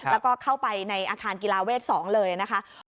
แล้วก็เข้าไปในอาคารกีฬาเวท๒เลยนะคะ